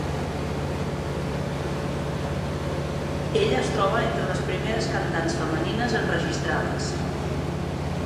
Ella es troba entre les primeres cantants femenines enregistrades.